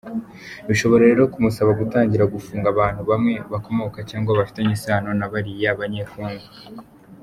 Bishobora rero kumusaba gutangira gufunga abantu bamwe bakomoka cyangwa bafitanye isano na bariya banyekongo.